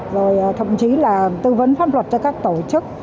rồi thậm chí là tư vấn pháp luật cho các tổ chức